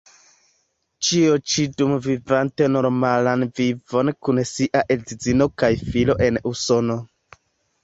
Ĉio ĉi dum vivante normalan vivon kun sia edzino kaj filo en Usono.